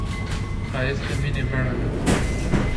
ښایست د مینې بڼه ده